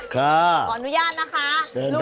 ขออนุญาตนะคะ